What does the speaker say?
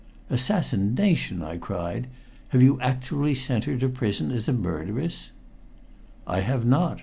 "Assassination!" I cried. "Have you actually sent her to prison as a murderess?" "I have not.